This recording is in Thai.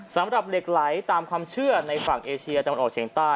สำหรับเหล็กไหลตามความเชื่อในฝั่งเอเชียตะวันออกเฉียงใต้